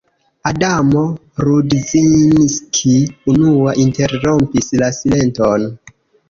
Adamo Rudzinski unua interrompis la silenton.